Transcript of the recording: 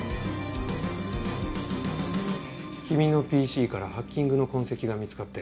君のＰＣからハッキングの痕跡が見つかったよ。